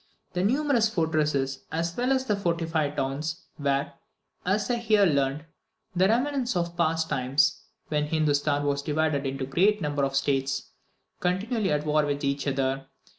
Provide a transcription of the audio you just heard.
The numerous fortresses, as well as the fortified towns, were, as I here learned, the remnants of past times, when Hindostan was divided into a great number of states, continually at war with each other.